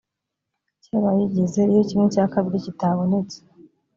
cy abayigize iyo kimwe cya kabiri kitabonetse